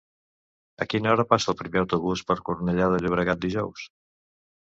A quina hora passa el primer autobús per Cornellà de Llobregat dijous?